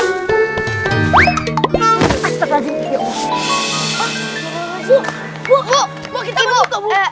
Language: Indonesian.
ibu ibu gak apa apa kan